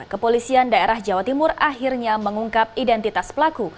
kepolisian daerah jawa timur akhirnya mengungkap identitas pelaku